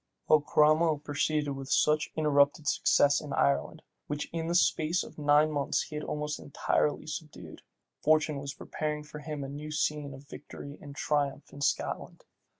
While Cromwell proceeded with such uninterrupted success in Ireland, which in the space of nine months he had almost entirely subdued, fortune was preparing for him a new scene of victory and triumph in Scotland.